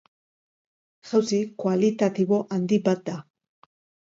Jauzi kualitatibo handi bat da.